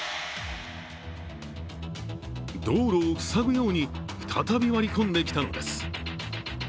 道路を塞ぐように再び割り込んできたのです。